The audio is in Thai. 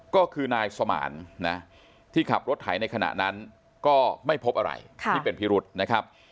ก็คือนายสมานนะที่ขับรถไถในขณะนั้นก็ไม่พบอะไรที่เป็นพิรุษนะครับ